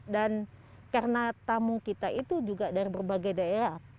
dan karena tamu kita itu juga dari berbagai daerah